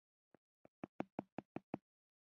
د ویالې ارتفاع باید د سرک د سطحې څخه زیاته نه وي